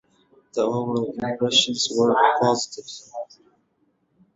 The overall impressions were positive.